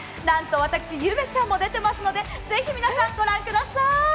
なんと私、ゆめちゃんも出てますので、ぜひ皆さんご覧ください。